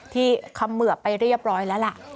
ที่เขมือไปเรียบร้อยแล้ว